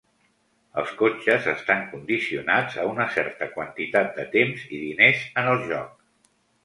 Els cotxes estan condicionats a una certa quantitat de temps i diners en el joc.